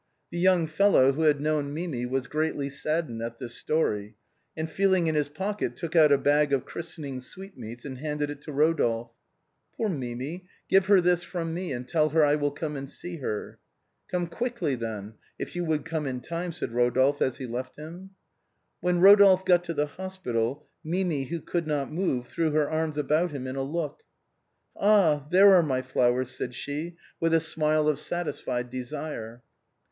The young fellow, who had known Mimi, was greatly saddened at this story, and feeling in his pocket took out a bag of christening sweetmeats and handed it to Rodolphe. " Poor Mimi, give her this from me and tell her I will come and see her." " Come quickly, then, if you would come in time," said Eodolphe as he left him. When Eodolphe got to the hospital, Mimi, who could not move, threw her arms about him in a look. " Ah ! there are my flowers," said she, with a smile of satisfied desire.